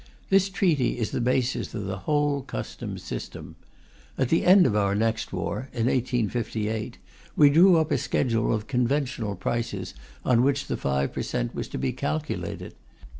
This treaty is the basis of the whole Customs system. At the end of our next war, in 1858, we drew up a schedule of conventional prices on which the 5 per cent. was to be calculated.